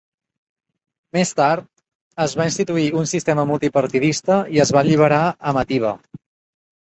Més tard, es va instituir un sistema multipartidista i es va alliberar a Matiba.